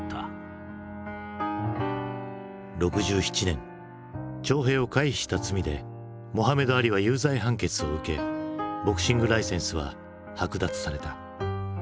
６７年徴兵を回避した罪でモハメド・アリは有罪判決を受けボクシングライセンスは剥奪された。